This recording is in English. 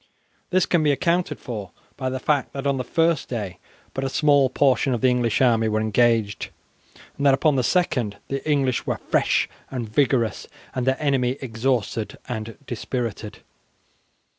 This can be accounted for by the fact that on the first day but a small portion of the English army were engaged, and that upon the second the English were fresh and vigorous, and their enemy exhausted and dispirited.